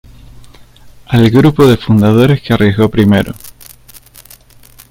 Al grupo de fundadores que arriesgó primero.